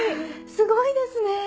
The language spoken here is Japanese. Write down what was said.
すごいですねぇ！